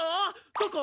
どこ？